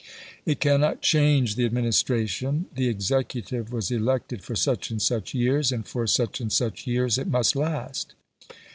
It cannot change the administration; the executive was elected for such and such years, and for such and such years it must last.